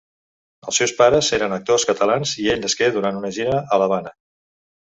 Els seus pares eren actors catalans i ell nasqué durant una gira a l'Havana.